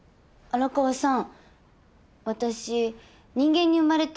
荒川さん。